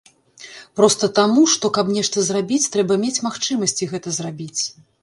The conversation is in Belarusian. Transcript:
Проста таму, што, каб нешта зрабіць, трэба мець магчымасці гэта зрабіць.